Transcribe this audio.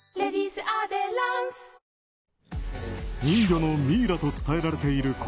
人魚のミイラと伝えられている